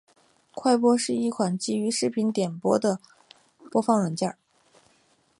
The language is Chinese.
快播是一款基于视频点播的播放软件。